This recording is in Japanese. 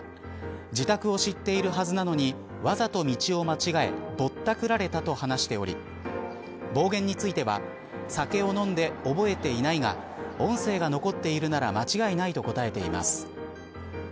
自宅を知っているはずなのにわざと道を間違えぼったくられた、と話しており暴言については酒を飲んで覚えていないが音声が残ってるなら間違いないと答えています。